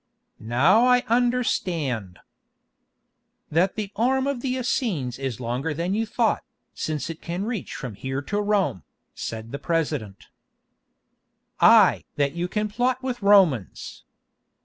"Now I understand——" "——that the arm of the Essenes is longer than you thought, since it can reach from here to Rome," said the President. "Ay! that you can plot with Romans.